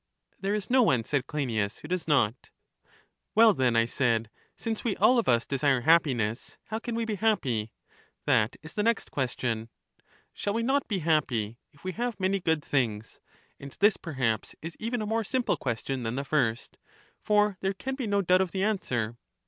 There is no one, said Cleinias, who does not. Well, then, I said, since we all of us desire hap piness, how can we be happy? — that is the next ques tion. Shall we not be happy if we have many good things? And this, perhaps, is even a more simple question than the first, for there can be no doubt of the answer.